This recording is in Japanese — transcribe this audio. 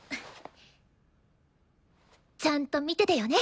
ちゃんと見ててよね！